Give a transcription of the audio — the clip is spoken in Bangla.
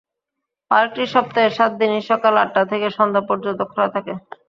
পার্কটি সপ্তাহে সাত দিনই সকাল আটটা থেকে সন্ধ্যা পর্যন্ত খোলা থাকে।